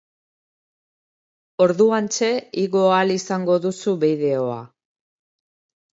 Orduantxe igo ahal izango duzu bideoa.